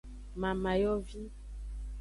Mamayovi.